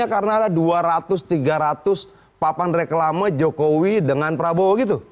karena itu kemudian buyar hanya karena ada dua ratus tiga ratus papan reklama jokowi dengan prabowo gitu